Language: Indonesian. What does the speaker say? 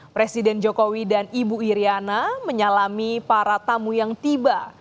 presiden jokowi dan ibu iryana menyalami para tamu yang tiba